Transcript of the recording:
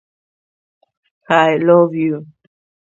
His match score would have won the professional tournament.